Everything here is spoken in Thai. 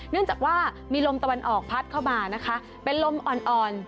เนื่องจากว่ามีลมตะวันออกพัดเข้ามานะคะเป็นลมอ่อน